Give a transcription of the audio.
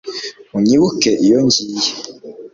Unyibuke iyo ngiye